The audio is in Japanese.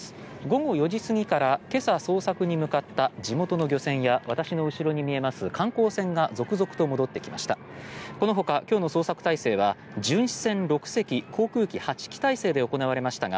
午後４時過ぎから今朝捜索に向かった地元の漁船や私の後ろに見える観光船が続々と戻ってきました。